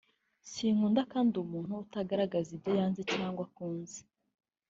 sinkunda kandi umuntu utagaragaza ibyo yanze cyangwa akunze